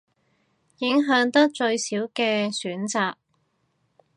影響得最少嘅選擇